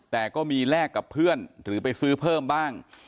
แต่ก็มีแลกกับเพื่อนหรือไปซื้อเพิ่มบ้าง